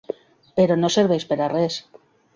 Però no serveix per a res.